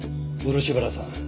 漆原さん。